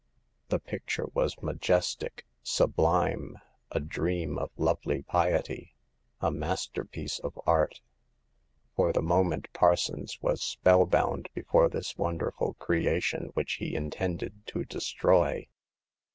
The picture was majes tic, sublime : a dream of lovely piety, a master piece of art. For the moment Parsons was spellbound before this wounderful creation which he in tended to destroy.